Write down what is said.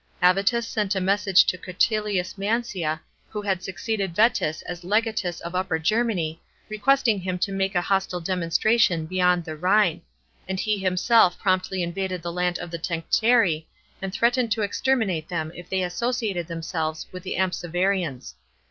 Avitus sent a message to Curtilius Mancia, who had succeeded Vetus as legatns of Upper Germany, requesting him to make a hostile demonstration beyond the Rhine ; and he himself promptly invaded the land of the Tencteri and threatened to exterminate them if they associated themselves with the Ampsivarians.